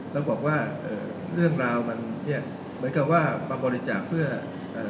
แล้วบอกว่าเอ่อเรื่องราวมันเนี้ยเหมือนกับว่ามาบริจาคเพื่อเอ่อ